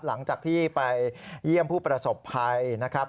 หลังจากที่ไปเยี่ยมผู้ประสบภัยนะครับ